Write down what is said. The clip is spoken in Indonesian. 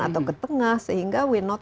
atau ke tengah sehingga w not